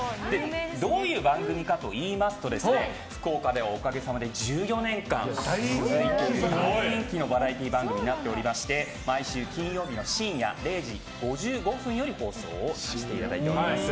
どういう番組かといいますと福岡でおかげさまで１４年間続いている大人気のバラエティー番組になっていまして毎週金曜日の深夜０時５５分から放送をさせていただいております。